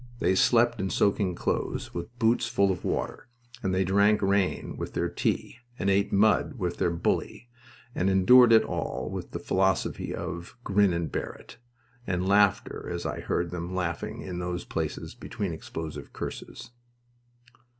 They slept in soaking clothes, with boots full of water, and they drank rain with their tea, and ate mud with their "bully," and endured it all with the philosophy of "grin and bear it!" and laughter, as I heard them laughing in those places between explosive curses.